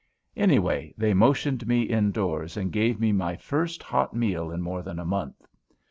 Anyway, they motioned me indoors and gave me my first hot meal in more than a month.